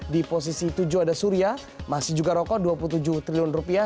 di posisi tujuh ada surya masih juga rokok dua puluh tujuh triliun rupiah